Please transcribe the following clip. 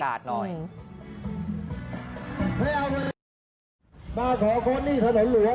นั่นเว้ยตำรวจตำรวจวางกลับไหน